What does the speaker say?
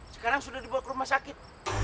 sekarang sudah dibawa ke rumah sakit